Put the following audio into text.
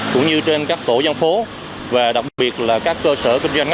cũng như trên các tổ dân phố và đặc biệt là các cơ sở kinh doanh